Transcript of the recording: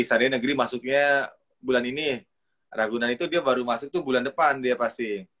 seharian negeri masuknya bulan ini ragunan itu dia baru masuk tuh bulan depan dia pasti